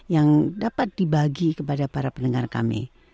yang dapat dibagi kepada para pendengar kami